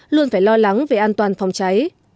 luôn phải lo lắng về an toàn phòng cháy